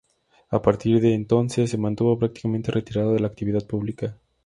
A partir de entonces se mantuvo prácticamente retirado de la actividad pública.